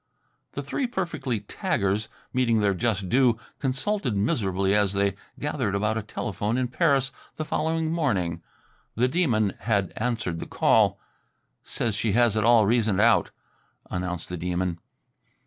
The three perfectly taggers meeting their just due, consulted miserably as they gathered about a telephone in Paris the following morning. The Demon had answered the call. "Says she has it all reasoned out," announced the Demon.